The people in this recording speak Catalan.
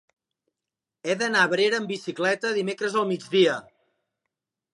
He d'anar a Abrera amb bicicleta dimecres al migdia.